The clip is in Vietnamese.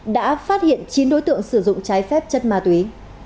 đã phát hiện chín đối tượng sử dụng trái phép chất ma túy